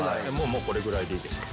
もうこれぐらいでいいでしょう。